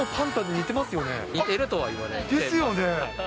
似てるとは言われます。ですよね。